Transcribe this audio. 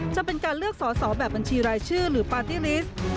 จะเป็นการเลือกสอสอแบบบัญชีรายชื่อหรือปาร์ตี้ลิสต์